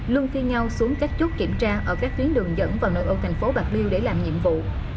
luôn phiên nhau xuống các chốt kiểm tra ở các tuyến đường dẫn vào nội ô thành phố bạc liêu để làm nhiệm vụ